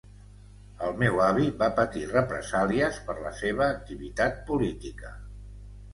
El meu avi va patir represàlies per la seva activitat política.